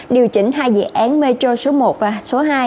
điều chỉnh hai dự án metro số một và số hai